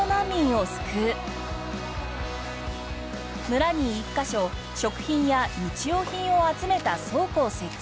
村に１カ所食品や日用品を集めた倉庫を設置。